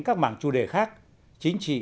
các mảng chủ đề khác chính trị